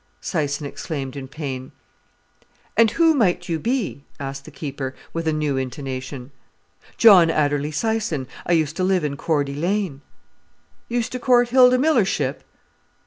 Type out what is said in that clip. Syson exclaimed in pain. "And who might you be?" asked the keeper, with a new intonation. "John Adderley Syson; I used to live in Cordy Lane." "Used to court Hilda Millership?"